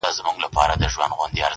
زورور یم خو څوک نه آزارومه!